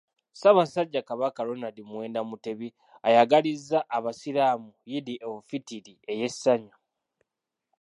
Ssaabasajja Kabaka Ronald Muwenda Mutebi, ayagalizza Abasiraamu Eid el Fitri ey'essanyu